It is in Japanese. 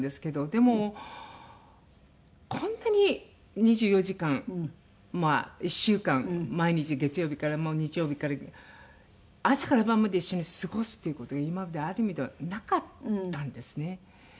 でもこんなに２４時間まあ１週間毎日月曜日から日曜日朝から晩まで一緒に過ごすっていう事が今まである意味ではなかったんですね。